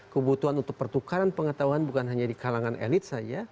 kebutuhan untuk pertukaran pengetahuan bukan hanya di kalangan elit saja